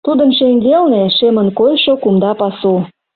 Тудын шеҥгелне шемын койшо кумда пасу.